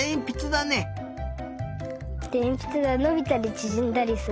でえんぴつがのびたりちぢんだりする。